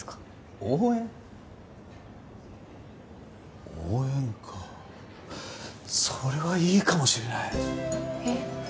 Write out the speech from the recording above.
応援かそれはいいかもしれないえっ？